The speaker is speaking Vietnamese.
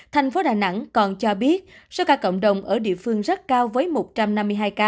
thành phố đà nẵng còn cho biết số ca cộng đồng ở địa phương rất cao với một trăm năm mươi hai ca